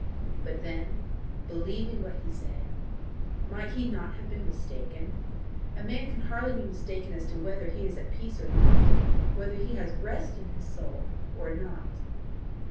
But then: believing what he said, might he not have been mistaken? A man can hardly be mistaken as to whether he is at peace or not whether he has rest in his soul or not.